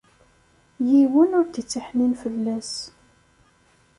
Yiwen ur d-ittiḥnin fell-as.